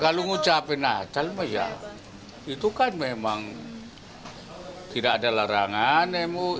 kalau ucapin natal itu kan memang tidak ada larangan